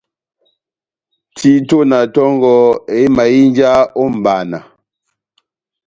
Tito na tongɔ éhimahínja ó mʼbana